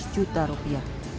tiga ratus juta rupiah